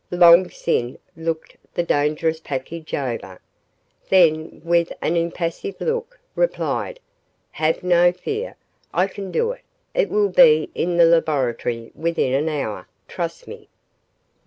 Long Sin looked the dangerous package over, then with an impassive look, replied, "Have no fear. I can do it. It will be in the laboratory within an hour. Trust me."